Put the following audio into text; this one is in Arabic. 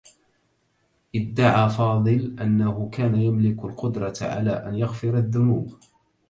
ادّعى فاضل أنّه كان يملك القدرة على أن يغفر الذّنوب.